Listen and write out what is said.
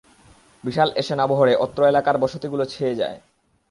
বিশাল এ সেনাবহরে অত্র এলাকার বসতিগুলো ছেয়ে যায়।